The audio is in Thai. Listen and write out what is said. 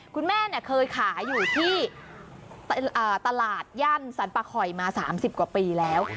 คุณแม่เนี่ยเคยขายอยู่ที่อ่าตลาดย่านสันป่าคอยมาสามสิบกว่าปีแล้ว